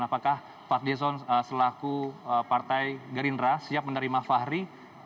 apakah fadlizon selaku partai gerindra siap menerima fahri